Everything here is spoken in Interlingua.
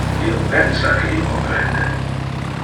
Io pensa que io comprende.